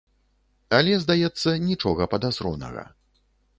Але, здаецца, нічога падазронага.